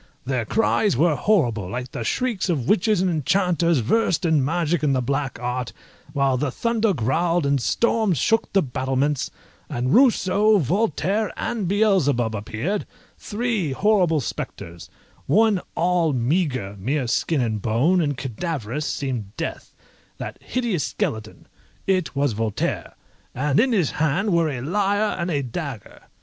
Their cries were horrible, like the shrieks of witches and enchanters versed in magic and the black art, while the thunder growled, and storms shook the battlements, and Rousseau, Voltaire, and Beelzebub appeared, three horrible spectres; one all meagre, mere skin and bone, and cadaverous, seemed death, that hideous skeleton; it was Voltaire, and in his hand were a lyre and a dagger.